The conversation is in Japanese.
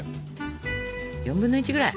４分の１ぐらい。